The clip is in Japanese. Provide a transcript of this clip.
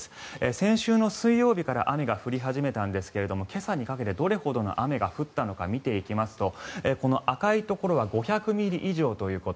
先週の水曜日から雨が降り始めたんですが今朝にかけてどれほどの雨が降ったのかを見ていきますとこの赤いところは５００ミリ以上ということ。